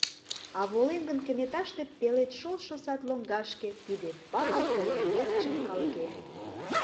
А волем гын кенеташте Пелед шолшо сад лоҥгашке, Тиде, пале, тыйын верчын, калыкем.